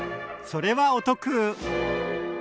それはお得！